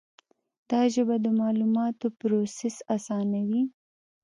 دا ژبه د معلوماتو پروسس آسانوي.